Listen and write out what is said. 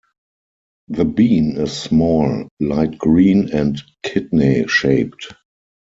The bean is small, light green, and kidney-shaped.